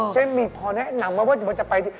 เจ๊มีพอแนะนำว่าว่าจะไปที่